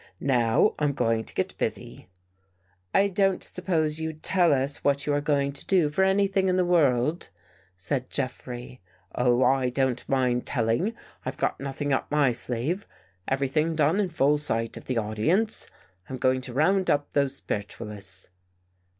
"Now I'm going to get busy." " I don't suppose you'd tell us what you are going to do for anything in the world," said Jeffrey. " Oh, I don't mind telling. I've got nothing up my sleeve. Everything done in full sight of the audience. I'm going to round up those spiritual ists."